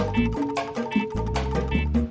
sampai jumpa disini